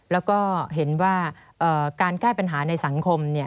แล้วก็เห็นว่าการแก้ปัญหาในสังคม